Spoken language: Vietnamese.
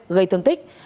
gây thương tích